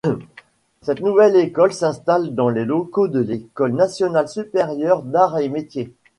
Cette nouvelle école s’installe dans les locaux de l’École nationale supérieure d'arts et métiers.